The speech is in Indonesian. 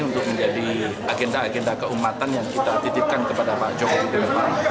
untuk menjadi agenda agenda keumatan yang kita titipkan kepada pak jokowi ke depan